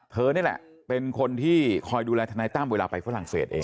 นี่แหละเป็นคนที่คอยดูแลทนายตั้มเวลาไปฝรั่งเศสเอง